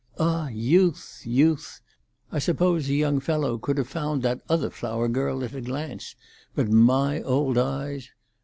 Ah, youth! youth! I suppose a young fellow could have found that other flower girl at a glance; but my old eyes!